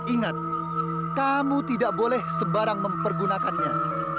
ingat kamu tidak boleh sembarang mempergunakannya